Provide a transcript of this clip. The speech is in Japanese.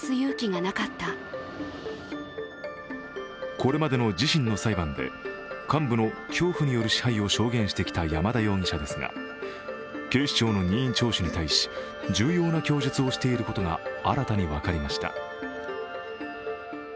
これまでの自身の裁判で幹部の恐怖による支配を証言してきた山田容疑者ですが警視庁の任意聴取に対し、重要な供述をしていることが新たに分かりました。